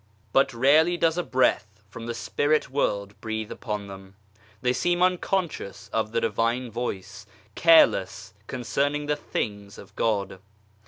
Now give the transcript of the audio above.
But rarely does a Breath from the Spirit world breathe upon them. They seem un conscious of the Divine Voice, careless concerning the things of God.